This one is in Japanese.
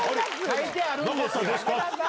書いてあるんですよ！